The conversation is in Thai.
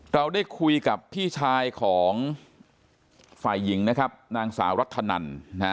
เราได้คุยกับพี่ชายของฝ่ายหญิงนะครับนางสาวรัฐนันนะฮะ